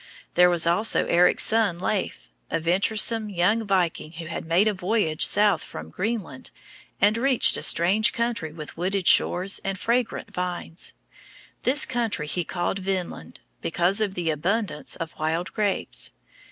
There was also Eric's son Leif, a venturesome young viking who had made a voyage south from Greenland, and reached a strange country with wooded shores and fragrant vines. This country he called Vinland because of the abundance of wild grapes.